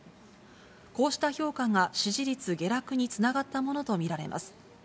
こうした評価が支持率下落につながったものと見られます。